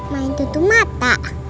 main tutup mata